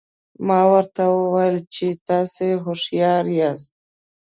ما ورته وویل چې تاسي هوښیار یاست.